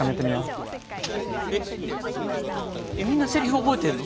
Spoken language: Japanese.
えっみんなセリフ覚えてんの？